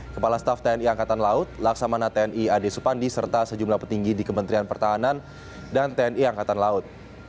kepala staf tni angkatan laut laksamana tni ade supandi serta sejumlah petinggi di kementerian pertahanan dan tni angkatan laut